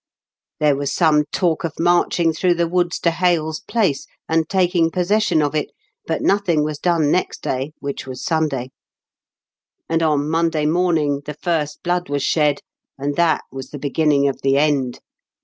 " There was some talk of marching through the woods to Hales Place, and taking pos session of it, but nothing was done next day, which was Sunday ; and on Monday morning A SANGUINARY DEED. 149 the first blood was shed, and that was the beginning of the end.